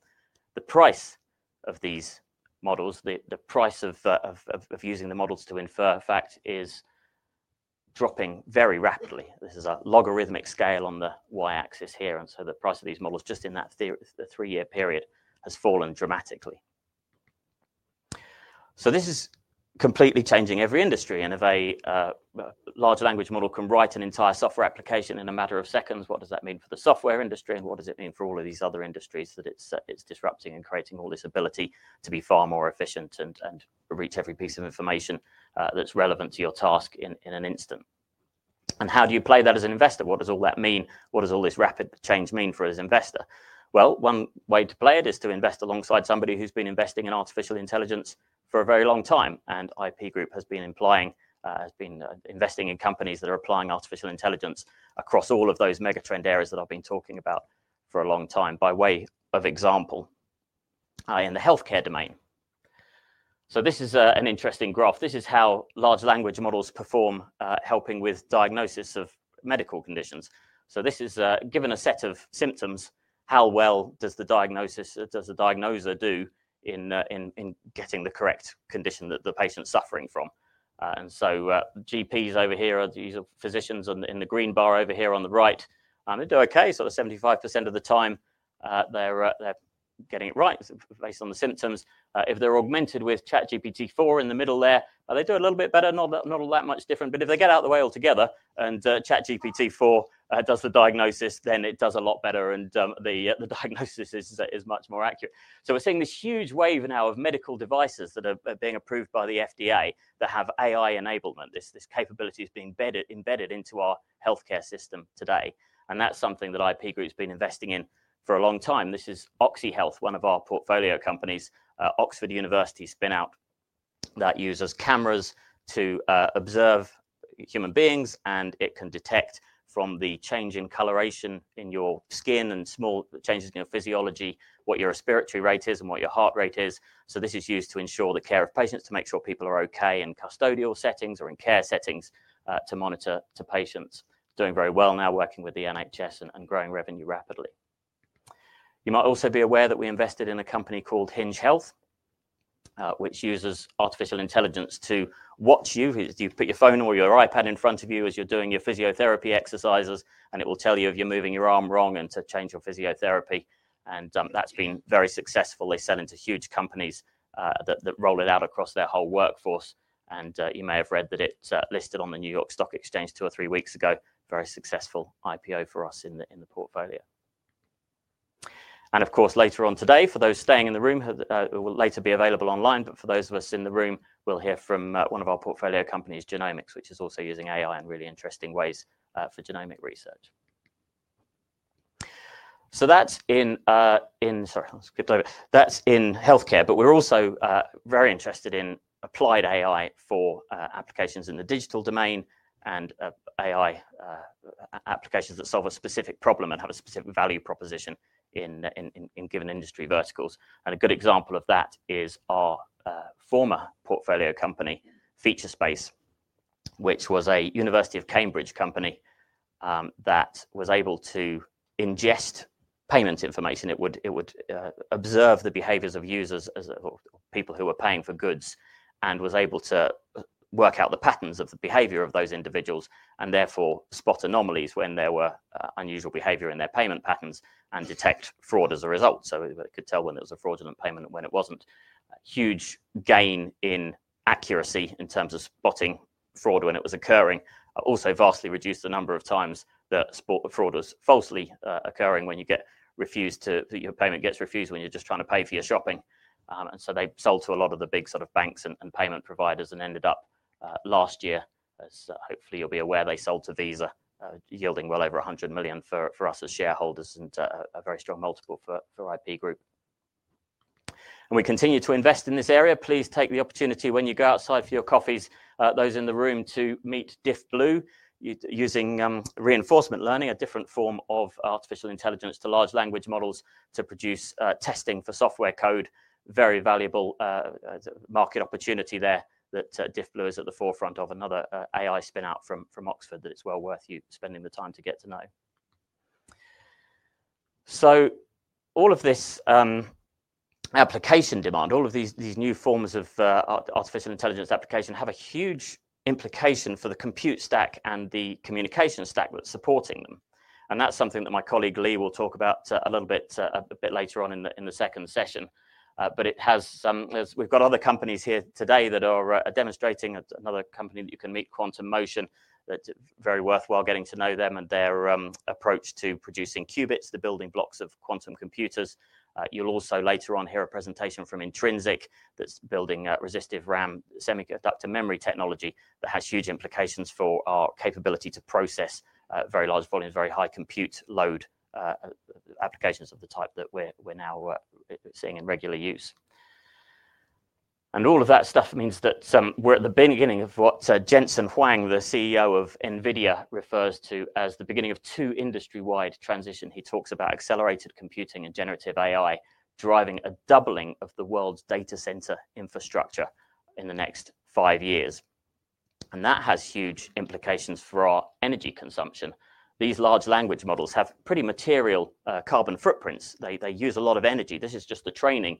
the price of these models, the price of using the models to infer a fact, is dropping very rapidly. This is a logarithmic scale on the y-axis here. The price of these models just in that three-year period has fallen dramatically. This is completely changing every industry. If a large language model can write an entire software application in a matter of seconds, what does that mean for the software industry? What does it mean for all of these other industries that it is disrupting and creating all this ability to be far more efficient and reach every piece of information that is relevant to your task in an instant? How do you play that as an investor? What does all that mean? What does all this rapid change mean for an investor? One way to play it is to invest alongside somebody who's been investing in artificial intelligence for a very long time. IP Group has been investing in companies that are applying artificial intelligence across all of those mega trend areas that I've been talking about for a long time by way of example in the healthcare domain. This is an interesting graph. This is how large language models perform helping with diagnosis of medical conditions. This is given a set of symptoms, how well does the diagnoser do in getting the correct condition that the patient's suffering from? GPs over here, these are physicians in the green bar over here on the right. They do okay, sort of 75% of the time. They're getting it right based on the symptoms. If they're augmented with ChatGPT-4 in the middle there, they do a little bit better, not all that much different. If they get out of the way altogether and ChatGPT-4 does the diagnosis, then it does a lot better. The diagnosis is much more accurate. We're seeing this huge wave now of medical devices that are being approved by the FDA that have AI enablement. This capability is being embedded into our healthcare system today. That's something that IP Group has been investing in for a long time. This is Oxehealth, one of our portfolio companies, Oxford University spinout that uses cameras to observe human beings. It can detect from the change in coloration in your skin and small changes in your physiology what your respiratory rate is and what your heart rate is. This is used to ensure the care of patients, to make sure people are okay in custodial settings or in care settings to monitor patients. Doing very well now, working with the NHS and growing revenue rapidly. You might also be aware that we invested in a company called Hinge Health, which uses artificial intelligence to watch you. You put your phone or your iPad in front of you as you're doing your physiotherapy exercises. It will tell you if you're moving your arm wrong and to change your physiotherapy. That's been very successful. They sell into huge companies that roll it out across their whole workforce. You may have read that it's listed on the New York Stock Exchange two or three weeks ago, very successful IPO for us in the portfolio. Of course, later on today, for those staying in the room, it will later be available online. For those of us in the room, we'll hear from one of our portfolio companies, Genomics, which is also using AI in really interesting ways for genomic research. That's in, sorry, I'll skip over it. That's in healthcare. We're also very interested in applied AI for applications in the digital domain and AI applications that solve a specific problem and have a specific value proposition in given industry verticals. A good example of that is our former portfolio company, Featurespace, which was a University of Cambridge company that was able to ingest payment information. It would observe the behaviors of users or people who were paying for goods and was able to work out the patterns of the behavior of those individuals and therefore spot anomalies when there were unusual behavior in their payment patterns and detect fraud as a result. It could tell when there was a fraudulent payment and when it was not. Huge gain in accuracy in terms of spotting fraud when it was occurring. Also vastly reduced the number of times that fraud was falsely occurring when you get refused or your payment gets refused when you are just trying to pay for your shopping. They sold to a lot of the big sort of banks and payment providers and ended up last year, as hopefully you'll be aware, they sold to Visa, yielding well over 100 million for us as shareholders and a very strong multiple for IP Group. We continue to invest in this area. Please take the opportunity when you go outside for your coffees, those in the room, to meet Diffblue using reinforcement learning, a different form of artificial intelligence to large language models to produce testing for software code. Very valuable market opportunity there that Diffblue is at the forefront of, another AI spinout from Oxford that it's well worth you spending the time to get to know. All of this application demand, all of these new forms of artificial intelligence application have a huge implication for the compute stack and the communication stack that's supporting them. That's something that my colleague Lee will talk about a little bit later on in the second session. We've got other companies here today that are demonstrating another company that you can meet, Quantum Motion. That's very worthwhile getting to know them and their approach to producing qubits, the building blocks of quantum computers. You'll also later on hear a presentation from Intrinsic that's building resistive RAM, semiconductor memory technology that has huge implications for our capability to process very large volumes, very high compute load applications of the type that we're now seeing in regular use. All of that stuff means that we're at the beginning of what Jensen Huang, the CEO of NVIDIA, refers to as the beginning of two industry-wide transitions. He talks about accelerated computing and generative AI driving a doubling of the world's data center infrastructure in the next five years. That has huge implications for our energy consumption. These large language models have pretty material carbon footprints. They use a lot of energy. This is just the training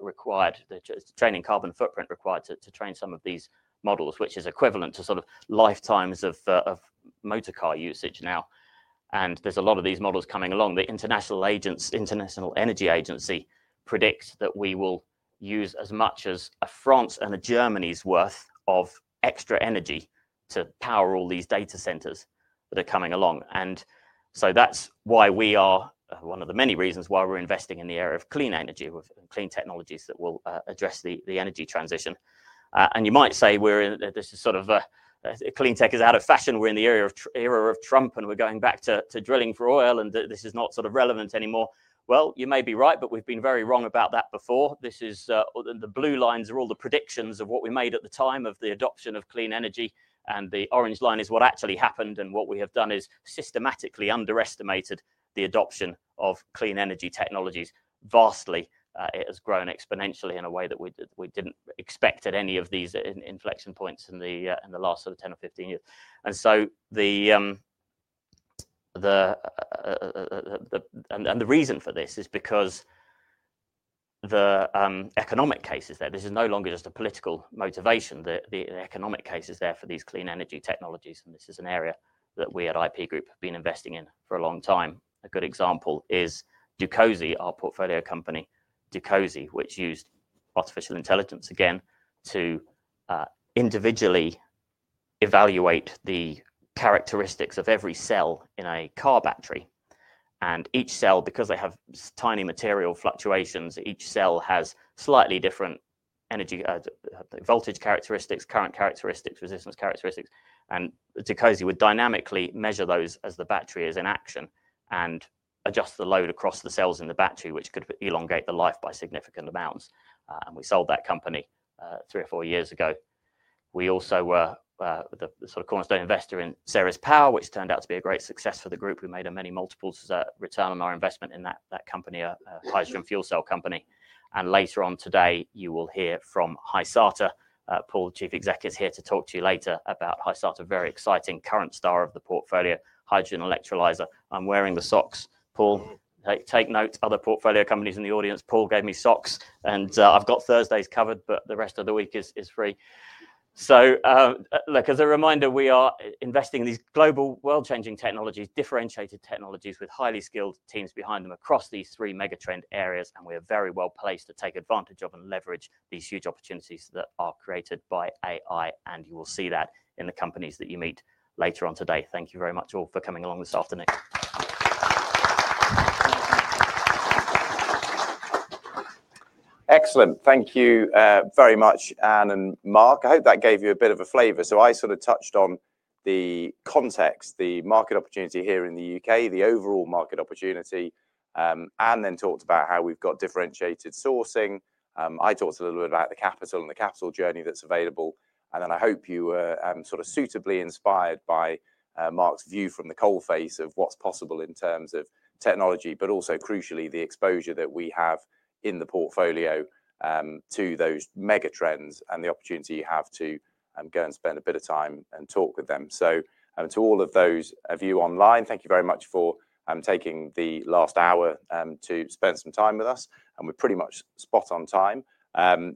required, the training carbon footprint required to train some of these models, which is equivalent to sort of lifetimes of motorcar usage now. There are a lot of these models coming along. The International Energy Agency predicts that we will use as much as a France and a Germany's worth of extra energy to power all these data centers that are coming along. That is why we are one of the many reasons why we're investing in the area of clean energy and clean technologies that will address the energy transition. You might say we're in this sort of clean tech is out of fashion. We're in the era of Trump and we're going back to drilling for oil and this is not sort of relevant anymore. You may be right, but we've been very wrong about that before. The blue lines are all the predictions of what we made at the time of the adoption of clean energy. The orange line is what actually happened. What we have done is systematically underestimated the adoption of clean energy technologies vastly. It has grown exponentially in a way that we didn't expect at any of these inflection points in the last 10 or 15 years. The reason for this is because the economic case is there. This is no longer just a political motivation. The economic case is there for these clean energy technologies. This is an area that we at IP Group have been investing in for a long time. A good example is Dukosi, our portfolio company, Dukosi, which used artificial intelligence again to individually evaluate the characteristics of every cell in a car battery. Each cell, because they have tiny material fluctuations, each cell has slightly different energy voltage characteristics, current characteristics, resistance characteristics. Dukosi would dynamically measure those as the battery is in action and adjust the load across the cells in the battery, which could elongate the life by significant amounts. We sold that company three or four years ago. We also were the sort of cornerstone investor in Ceres Power, which turned out to be a great success for the group. We made a many multiples return on our investment in that company, a hydrogen fuel cell company. Later on today, you will hear from Hysata, Paul, the Chief Executive, here to talk to you later about Hysata, a very exciting current star of the portfolio, hydrogen electrolyser. I'm wearing the socks, Paul. Take note, other portfolio companies in the audience. Paul gave me socks. I've got Thursdays covered, but the rest of the week is free. Look, as a reminder, we are investing in these global, world-changing technologies, differentiated technologies with highly skilled teams behind them across these three mega trend areas. We are very well placed to take advantage of and leverage these huge opportunities that are created by AI. You will see that in the companies that you meet later on today. Thank you very much all for coming along this afternoon. Excellent. Thank you very much, Anne and Mark. I hope that gave you a bit of a flavor. I sort of touched on the context, the market opportunity here in the U.K., the overall market opportunity, and then talked about how we've got differentiated sourcing. I talked a little bit about the capital and the capital journey that's available. I hope you were suitably inspired by Mark's view from the coalface of what's possible in terms of technology, but also crucially, the exposure that we have in the portfolio to those mega trends and the opportunity you have to go and spend a bit of time and talk with them. To all of those of you online, thank you very much for taking the last hour to spend some time with us. We are pretty much spot on time.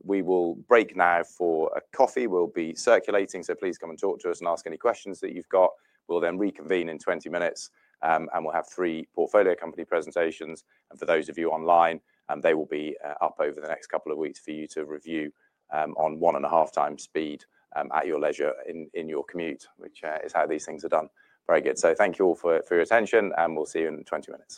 We will break now for a coffee. We will be circulating, so please come and talk to us and ask any questions that you have got. We will then reconvene in 20 minutes. We will have three portfolio company presentations. For those of you online, they will be up over the next couple of weeks for you to review on one and a half time speed at your leisure in your commute, which is how these things are done. Very good. Thank you all for your attention. We will see you in 20 minutes.